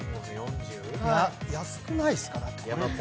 や、安くないですか？